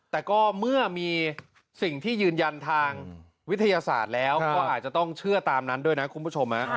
แต่ก็เมื่อมีสิ่งที่ยืนยันทางวิทยาศาสตร์แล้วก็อาจจะต้องเชื่อตามนั้นด้วยนะคุณผู้ชม